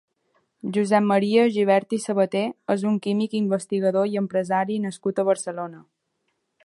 Josep Maria Gibert i Sabaté és un químic, investigador i empresari nascut a Barcelona.